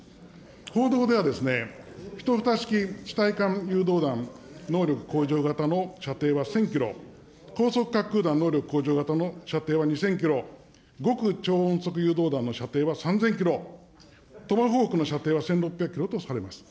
報道ではですね、１２式地対艦誘導弾の能力向上型の射程は１０００キロ、高速滑空弾能力向上型の射程は２０００キロ、極超音速誘導弾の射程は３０００キロ、トマホークの射程は１６００キロとされます。